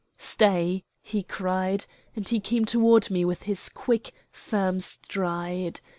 "Stay," he cried, and he came toward me with his quick, firm stride.